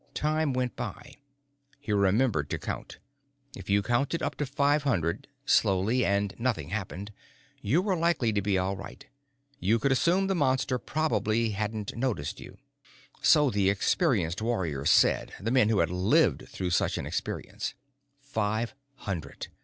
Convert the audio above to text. Time went by. He remembered to count. If you counted up to five hundred, slowly, and nothing happened, you were likely to be all right. You could assume the Monster probably hadn't noticed you. So the experienced warriors said, the men who had lived through such an experience. Five hundred.